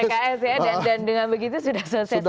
dan dengan begitu sudah selesai semua